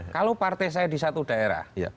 kalau partai saya di satu daerah